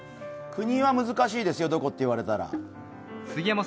国は難しいですよ、どこって言われたら。